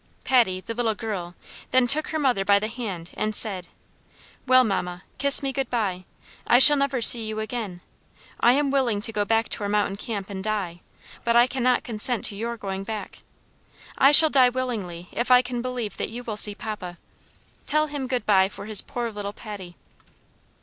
Patty, the little girl, then took her mother by the hand and said, "Well, mamma, kiss me good bye! I shall never see you again. I am willing to go back to our mountain camp and die, but I cannot consent to your going back. I shall die willingly if I can believe that you will see papa. Tell him good bye for his poor little Patty."